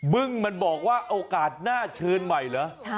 มึงมันบอกว่าโอกาสน่าเชิญใหม่เหรอ